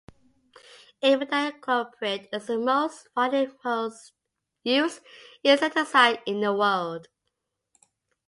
Imidacloprid is the most widely used insecticide in the world.